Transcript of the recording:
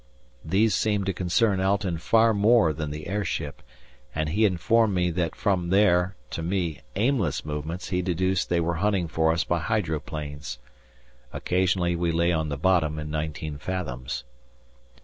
These seemed to concern Alten far more than the airship, and he informed me that from their, to me, aimless movements he deduced they were hunting for us by hydroplanes. Occasionally we lay on the bottom in nineteen fathoms.